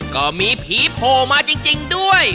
ก็มีผีโผล่มาจริงด้วย